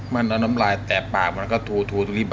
มันน้ำลายแตะปากมาก็ถูทุกที่บะ